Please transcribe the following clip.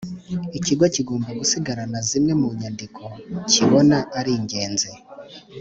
Ikigo kigomba gusigarana zimwe mu nyandiko kibona ari ingenzi